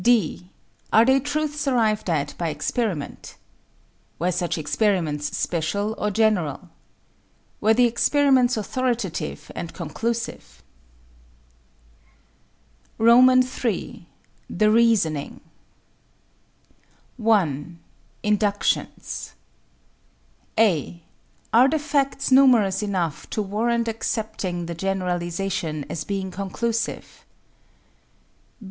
(d) Are they truths arrived at by experiment? Were such experiments special or general? Were the experiments authoritative and conclusive? III. THE REASONING 1. Inductions (a) Are the facts numerous enough to warrant accepting the generalization as being conclusive?